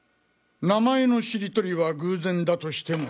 名前のしりとりは偶然だとしても。